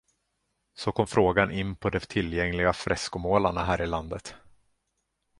Så kom frågan in på de tillgängliga freskomålarna här i landet.